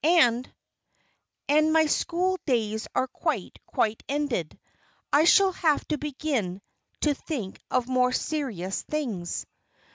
And and my school days are quite, quite ended. I shall have to begin to think of more serious things."